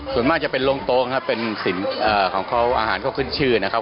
ส่วนมากจะเป็นโรงโต๊งครับเป็นสินของเขาอาหารเขาขึ้นชื่อนะครับ